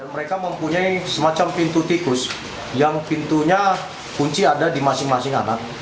mereka mempunyai semacam pintu tikus yang pintunya kunci ada di masing masing anak